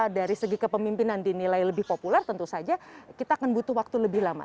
dari segi kepemimpinan dinilai lebih populer tentu saja kita akan butuh waktu lebih lama